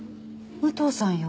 武藤さんよ